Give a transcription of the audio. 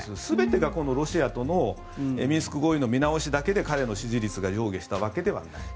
全てがロシアとのミンスク合意の見直しだけで彼の支持率が上下したわけではない。